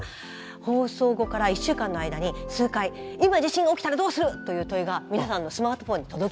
放送後から１週間の間に数回今地震が起きたらどうする？という問いが皆さんのスマートフォンに届きます。